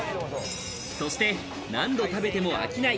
そして何度食べても飽きない